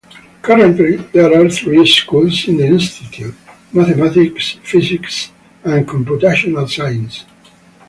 Currently, there are three schools in the institute: mathematics, physics, and computational sciences.